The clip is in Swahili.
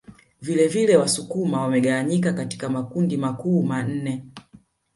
Vilevile Wasukuma wamegawanyika katika makundi makuu manne